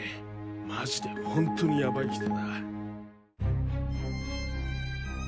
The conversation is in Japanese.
マジでホントにヤバい人だ。